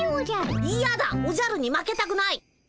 いやだおじゃるに負けたくない。